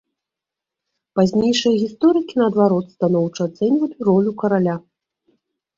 Пазнейшыя гісторыкі, наадварот, станоўча ацэньвалі ролю караля.